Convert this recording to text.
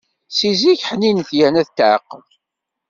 Seg zik ḥninet yerna tetɛeqqel.